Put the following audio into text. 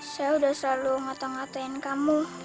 saya udah selalu ngata ngatain kamu